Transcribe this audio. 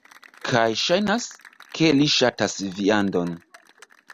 Kaj ŝajnas, ke li ŝatas viandon.